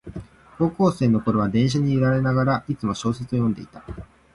高校生のころは電車に揺られながら、いつも小説を読んでいた